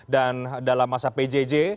dan dalam masa pjj